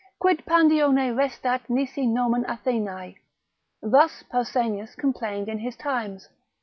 Quid Pandioniae restat nisi nomen Athenae? Thus Pausanias complained in his times.